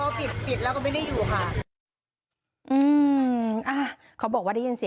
แล้วปีดไปนานแล้วค่ะไม่ได้ทำแล้ว